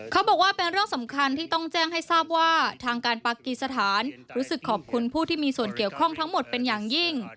เขาบอกว่าเป็นเรื่องสำคัญที่ต้องแจ้งให้ทราบว่าทางการปากีสถานรู้สึกขอบคุณผู้ที่มีส่วนเกี่ยวข้องทั้งหมดเป็นอย่างยิ่ง